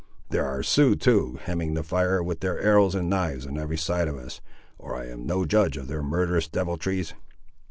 There are Siouxes, too, hemming the fire with their arrows and knives on every side of us, or I am no judge of their murderous deviltries."